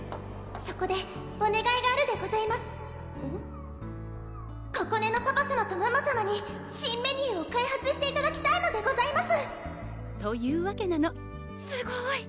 そこでおねがいがあるでござここねのパパさまとママさまに新メニューを開発していただきたいのでございます！というわけなのすごい！